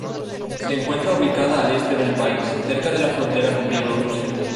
Se encuentra ubicada al este del país, cerca de la frontera con Bielorrusia.